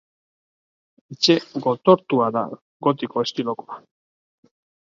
Etxe gotortua da, gotiko estilokoa.